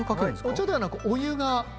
お茶ではなくお湯が。